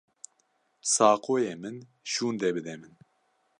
Saqoyê min şûnde bide min.